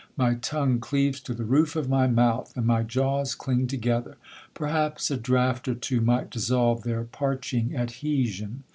My tongue cleaves to the roof of my mouth, and my jaws cling together,—perhaps a draught or two might dissolve their parching adhesion.